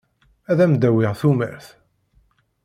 Ad am-d-awiɣ tumert.